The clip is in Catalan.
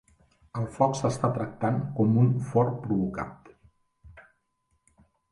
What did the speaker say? El foc s'està tractant com un for provocat.